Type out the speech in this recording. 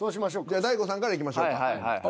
じゃあＤＡＩＧＯさんからいきましょうか。